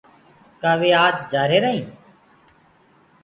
ڪآ وي آج جآرهيرآ هينٚ۔